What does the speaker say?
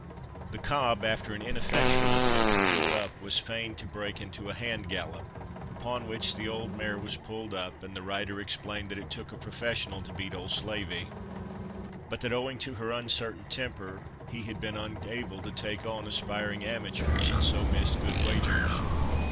The cob, after an ineffectual attempt to keep up, was fain to break into a hand gallop, upon which the old mare was pulled up, and the rider explained that it took a professional to beat old "Slavey"; but that owing to her uncertain temper, he had been unable to "take on" aspiring amateurs, and so missed good wagers.